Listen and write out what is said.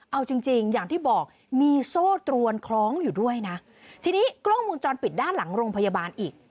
เอาจริงจริงอย่างที่บอกมีโซ่ตรวนคล้องอยู่ด้วยนะทีนี้กล้องมูลจรปิดด้านหลังโรงพยาบาลอีก